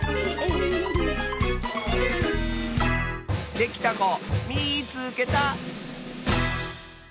できたこみいつけた！